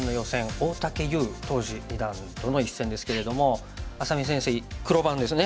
大竹優当時二段との一戦ですけれども愛咲美先生黒番ですね。